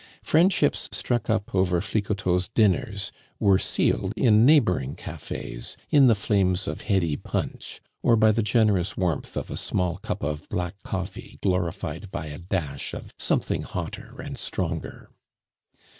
Friendships struck up over Flicoteaux's dinners were sealed in neighboring cafes in the flames of heady punch, or by the generous warmth of a small cup of black coffee glorified by a dash of something hotter and stronger.